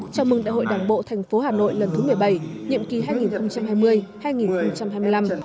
chào mừng đại hội đảng bộ thành phố hà nội lần thứ một mươi bảy nhiệm kỳ hai nghìn hai mươi hai nghìn hai mươi năm